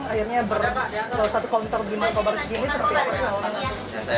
akhirnya bercampur satu kontor di markobar segini seperti apa soalnya